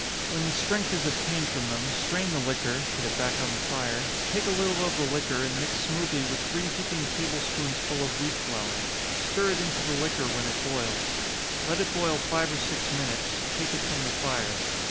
When the strength is obtained from them, strain the liquor put it back on the fire take a little of the liquor, and mix smoothly with three heaping table spoonsful of wheat flour stir it into the liquor when it boils. Let it boil five or six minutes take it from the fire.